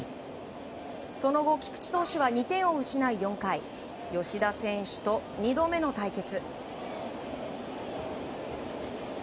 その後、菊池投手は２点を失い４回、吉田選手と２度目の対決。